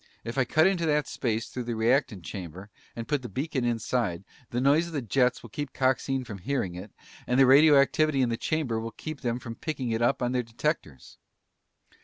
If I cut into that space through the reactant chamber and put the beacon inside, the noise of the jets will keep Coxine from hearing it, and the radioactivity in the chamber will keep them from picking it up on their detectors!"